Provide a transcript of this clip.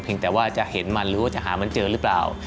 แต่ว่าจะเห็นมันหรือว่าจะหามันเจอหรือเปล่า